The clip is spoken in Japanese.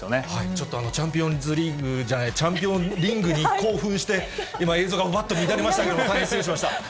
ちょっとチャンピオンズリーグじゃない、チャンピオンリングに興奮して、今、映像がうわっと乱れましたけれども、大変失礼しました。